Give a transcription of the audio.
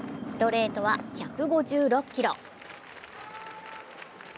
ストレートは１５６キロ。